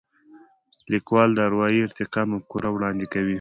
لیکوال د اروايي ارتقا مفکوره وړاندې کوي.